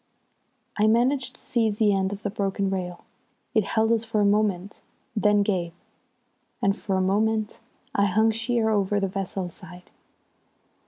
I managed to seize the end of the broken rail. It held us for a moment, then gave, and for a moment I hung sheer over the vessel's side.